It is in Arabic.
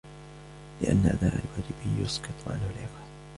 لِأَنَّ أَدَاءَ الْوَاجِبِ يُسْقِطُ عَنْهُ الْعِقَابَ